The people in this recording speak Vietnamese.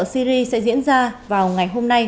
tại syria sẽ diễn ra vào ngày hôm nay